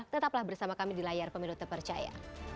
tetaplah bersama kami di layar pemilu terpercaya